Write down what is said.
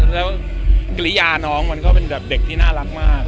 แล้วกิริยาน้องมันก็เป็นแบบเด็กที่น่ารักมาก